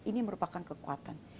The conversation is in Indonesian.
ini merupakan kekuatan